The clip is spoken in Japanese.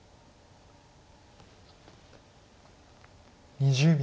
２０秒。